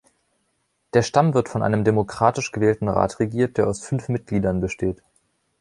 Der Stamm wird von einem demokratisch gewählten Rat regiert, der aus fünf Mitgliedern besteht.